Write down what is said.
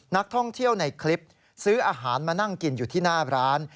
นักท่องเที่ยวในคลิปซื้ออาหารมานั่งกินอยู่ที่หน้าร้าน